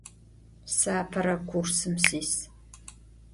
Se apere kursım sis.